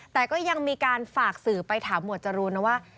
แต่ก็ยังมีการฝากสื่อไปถามหมวดจรูนนะว่า